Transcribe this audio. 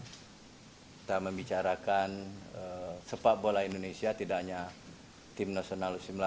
kita membicarakan sepak bola indonesia tidak hanya tim nasional u sembilan belas